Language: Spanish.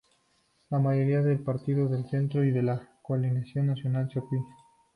La mayoría del Partido del Centro y de la Coalición Nacional se oponían.